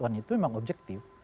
pertanyaan itu memang objektif